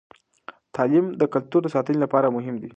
تعلیم د کلتور د ساتنې لپاره مهم دی.